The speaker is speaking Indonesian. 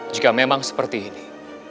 jika memang seperti ini